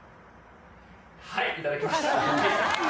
はいいただきました。